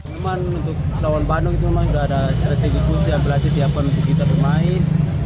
memang untuk lawan bandung itu memang nggak ada strategi khusus berarti siapan untuk kita bermain